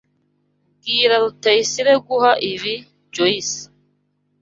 Bwira Rutayisire guha ibi Joyce.